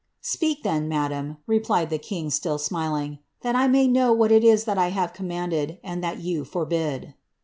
^ Speak then, madame," replied the king, still smiling, ^ that I may know what it is that I have commanded, and tliat you forbid."